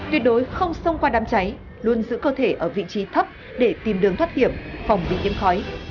tuyệt đối không xông qua đám cháy luôn giữ cơ thể ở vị trí thấp để tìm đường thoát hiểm phòng bị nhiễm khói